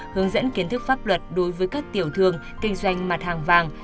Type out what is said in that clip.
hướng dẫn kiến thức pháp luật đối với các tiểu thương kinh doanh mặt hàng vàng